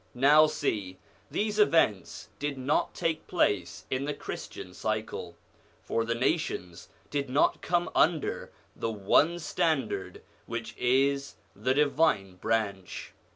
Now see: these events did not take place in the Christian cycle, for the nations did not come under the One Standard which is the Divine Branch.